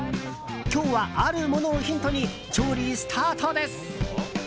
今日は、あるものをヒントに調理スタートです。